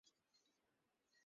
আমি শবযানের চালক।